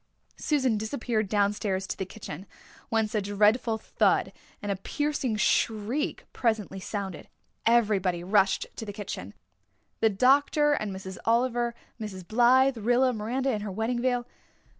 Susan disappeared downstairs to the kitchen, whence a dreadful thud and a piercing shriek presently sounded. Everybody rushed to the kitchen the doctor and Miss Oliver, Mrs. Blythe, Rilla, Miranda in her wedding veil.